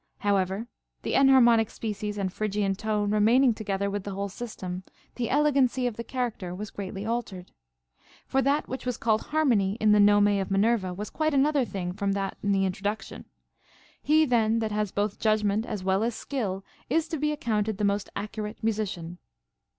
However, the enharmonic species and Phrygian tone remaining together with the whole system, the elegancy of the character was greatly altered. For that which was called harmony in the nome of ^linerva was quite another thing from that in the intro duction. He then that has both judgment as well as skill is to be accounted the most accurate musician.